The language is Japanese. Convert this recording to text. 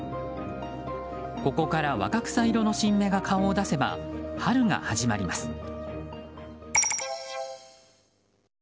ここから若草色の新芽が顔を出せば春が始まります。